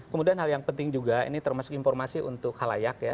kemudian hal yang penting juga ini termasuk informasi untuk halayak ya